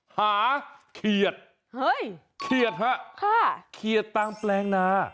เขียดเขียดฮะเขียดตามแปลงนา